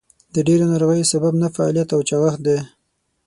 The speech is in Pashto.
د ډېرو ناروغیو سبب نهفعاليت او چاغښت دئ.